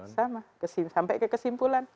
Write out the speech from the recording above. sama sampai ke kesimpulan